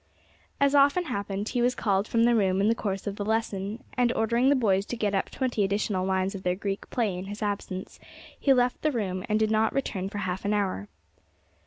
As often happened, he was called from the room in the course of the lesson, and, ordering the boys to get up twenty additional lines of their Greek play in his absence, he left the room and did not return for half an hour.